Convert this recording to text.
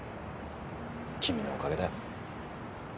君のおかげだよ